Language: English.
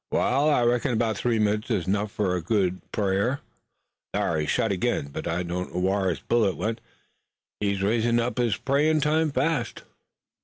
"Wa'al, I reckon 'bout three minutes is 'nough fur a right good prayer. Thar, he's shot ag'in, but I don't know whar his bullet went. He's usin' up his prayin' time fast."